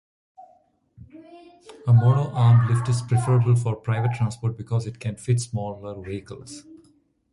A mono-arm Lift is preferable for private transport because it can fit smaller vehicles.